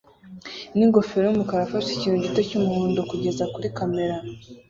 n'ingofero yumukara afashe ikintu gito cyumuhondo kugeza kuri kamera